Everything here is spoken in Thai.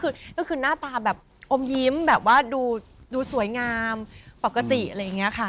ก็คือหน้าตาแบบอมยิ้มแบบว่าดูสวยงามปกติอะไรอย่างนี้ค่ะ